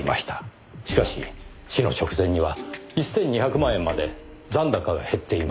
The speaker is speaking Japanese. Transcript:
しかし死の直前には１２００万円まで残高が減っています。